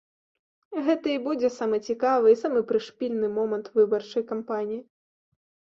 Гэта і будзе самы цікавы і самы прышпільны момант выбарчай кампаніі.